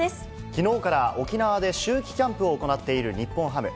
きのうから沖縄で秋季キャンプを行っている日本ハム。